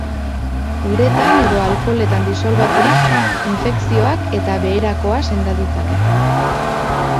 Uretan edo alkoholetan disolbaturik infekzioak eta beherakoa senda ditzake.